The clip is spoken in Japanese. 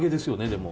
でも。